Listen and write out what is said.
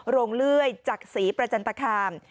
ลงเลื่อยจักษีประจันตคาม